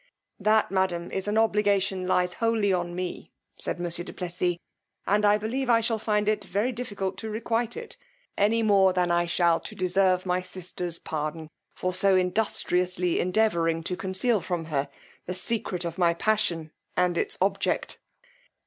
That, madam, is an obligation lies wholly on me, said monsieur du Plessis; and I believe I shall find it very difficult to requite it, any more than I shall to deserve my sister's pardon, for so industriously endeavouring to conceal from her the secret of my passion and its object.